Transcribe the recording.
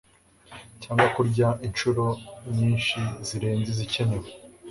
cyangwa kurya inshuro nyinshi zirenze izikenewe